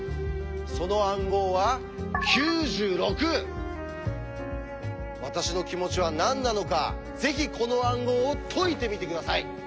その暗号は私の気持ちは何なのかぜひこの暗号を解いてみて下さい。